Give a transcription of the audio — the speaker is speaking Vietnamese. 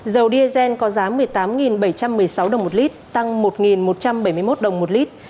dầu diesel có giá một mươi tám bảy trăm một mươi sáu đồng một lít tăng một một trăm bảy mươi một đồng một lít